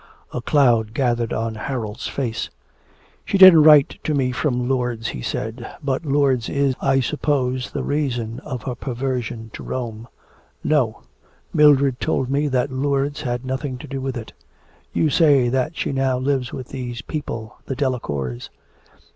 A cloud gathered on Harold's face. 'She didn't write to me from Lourdes,' he said. 'But Lourdes is, I suppose, the reason of her perversion to Rome?' 'No; Mildred told me that Lourdes had nothing to do with it.' 'You say that she now lives with these people, the Delacours.'